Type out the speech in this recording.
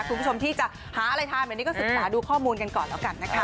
คุณผู้ชมที่จะหาอะไรทานแบบนี้ก็ศึกษาดูข้อมูลกันก่อนแล้วกันนะคะ